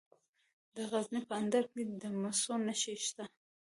د غزني په اندړ کې د مسو نښې شته.